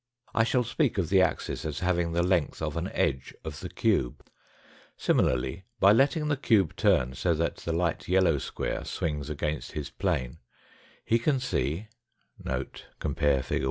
I shall speak of the axis as having the length of an edge of the cube. Similarly, by letting the cube turn so that the light yellow square swings against his plane, he can see (compare fig.